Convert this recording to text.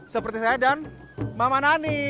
seperti saya dan mama nani